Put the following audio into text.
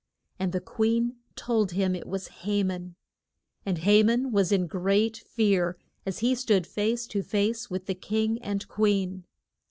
And the queen told him it was Ha man. And Ha man was in great fear as he stood face to face with the king and queen.